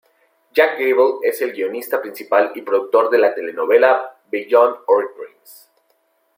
Jack Gable es el guionista principal y productor de la telenovela "Beyond Our Dreams".